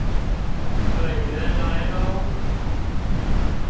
粉圓來囉